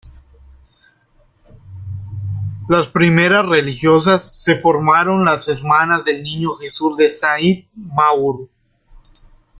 Las primeras religiosas se formaron las Hermanas del Niño Jesús de Saint-Maur.